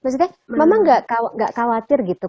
maksudnya mama gak khawatir gitu